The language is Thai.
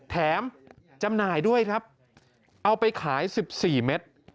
แถมจำหน่ายด้วยครับเอาไปขาย๑๔เม็ด